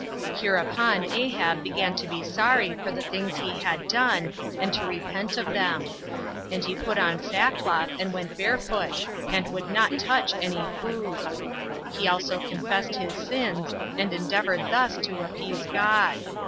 Hereupon Ahab began to be sorry for the things he had done, and to repent of them; and he put on sackcloth, and went barefoot 36 and would not touch any food; he also confessed his sins, and endeavored thus to appease God.